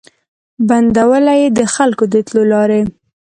بندولې یې د خلکو د تلو لاري